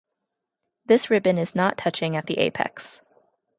This ribbon is not touching at the apex.